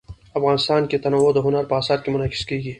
افغانستان کې تنوع د هنر په اثار کې منعکس کېږي.